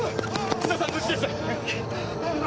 津田さんは無事でした！